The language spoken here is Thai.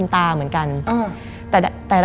มันกลายเป็นรูปของคนที่กำลังขโมยคิ้วแล้วก็ร้องไห้อยู่